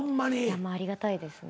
ありがたいですね。